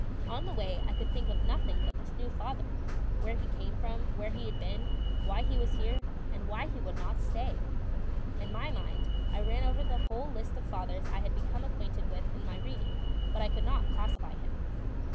On the way I could think of nothing but this new father, where he came from, where he had been, why he was here, and why he would not stay. In my mind I ran over the whole list of fathers I had become acquainted with in my reading, but I could not classify him.